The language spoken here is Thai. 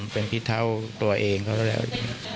เป็นขี้เท่าตัวเองก็แล้วเอง